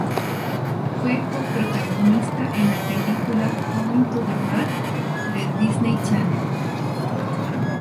Fue coprotagonista en la película "Going to the Mat", de Disney Channel.